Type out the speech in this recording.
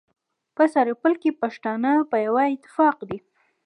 په سرپل کي پښتانه په يوه اتفاق دي.